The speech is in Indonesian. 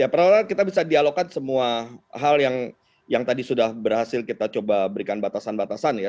ya pertama kita bisa dialogkan semua hal yang tadi sudah berhasil kita coba berikan batasan batasan ya